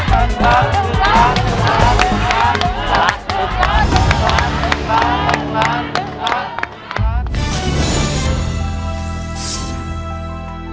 ๑ปลา๑ปลา๑ปลา